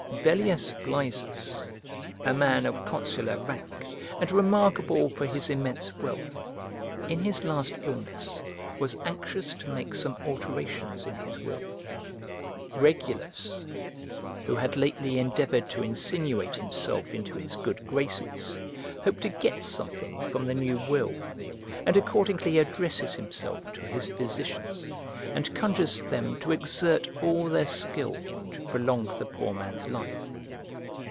Velleius Blaesus, a man of consular rank, and remarkable for his immense wealth, in his last illness was anxious to make some alterations in his will. Regulus, who had lately endeavoured to insinuate himself into his good graces, hoped to get something from the new will, and accordingly addresses himself to his physicians, and conjures them to exert all their skill to prolong the poor man's life.